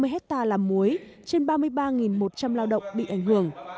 ba mươi hectare làm muối trên ba mươi ba một trăm linh lao động bị ảnh hưởng